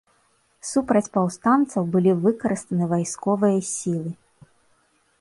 Супраць паўстанцаў былі выкарыстаны вайсковыя сілы.